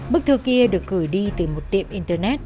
bức thư kia được cử đi từ một tiệm internet